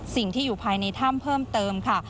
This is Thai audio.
อยู่ภายในถ้ำเพิ่มเติมค่ะ